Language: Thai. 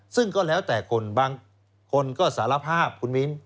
ซึ่งก็แล้วแต่คนบางคนก็สารภาพคุณมิ้น